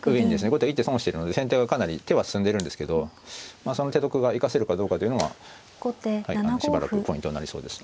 後手が一手損してるので先手がかなり手は進んでるんですけどその手得が生かせるかどうかというのはしばらくポイントになりそうです。